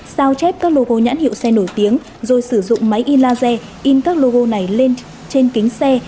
sao chép các logo nhãn hiệu xe nổi tiếng rồi sử dụng máy in laser in các logo này lên trên kính xe